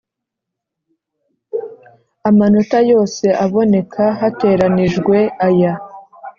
Amanota yose aboneka hateranijwe aya